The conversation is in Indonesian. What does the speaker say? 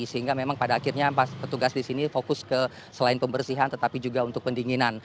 sehingga memang pada akhirnya petugas di sini fokus ke selain pembersihan tetapi juga untuk pendinginan